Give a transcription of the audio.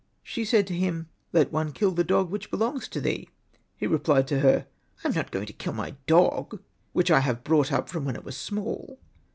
She said to him, ''Let one kill the dog which belongs to thee." He repHed to her, '' I am not going to kill my dog, which I have brought up from when it was small."